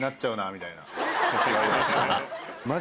みたいな言われました。